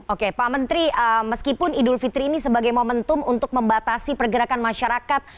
oke pak menteri meskipun idul fitri ini sebagai momentum untuk membatasi pergerakan masyarakat